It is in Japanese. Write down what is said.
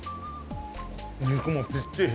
肉もみっちり。